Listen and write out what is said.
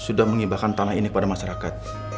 sudah mengibahkan tanah ini kepada masyarakat